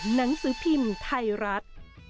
หนังสือพิมพ์ไทยรัฐ